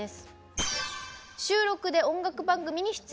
「週６で音楽番組に出演」。